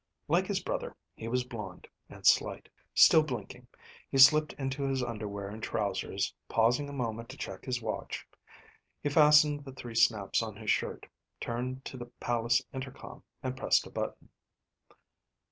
Like his brother, he was blond and slight. Still blinking, he slipped into his underwear and trousers, pausing a moment to check his watch. He fastened the three snaps on his shirt, turned to the palace intercom, and pressed a button.